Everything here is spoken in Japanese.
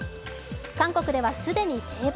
韓国では既に定番。